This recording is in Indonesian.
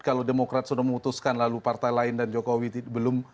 kalau demokrat sudah memutuskan lalu partai lain dan jokowi belum